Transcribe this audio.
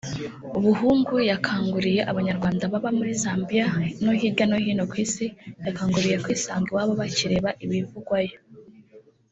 Buhungu yakanguriye Abanyarwanda baba muri Zambia no hirya no hino ku Isi bakanguriwe kwisanga iwabo bakirebera ibivugwayo